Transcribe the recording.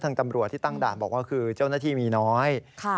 ตำรวจที่ตั้งด่านบอกว่าคือเจ้าหน้าที่มีน้อย